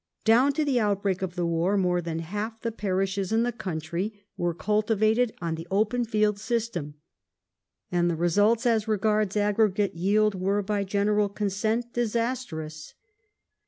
Down to the outbreak of the war more than half the parishes in the country were cultivated on the ''open field " system ; and the results as regards aggregate yield, were, by general consent, disastrous.